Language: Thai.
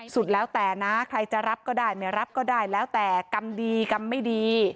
สุดแล้วแต่นะใครจะรับก็ได้ไม่รับก็ได้แล้วแต่กรรมดีกรรมไม่ดี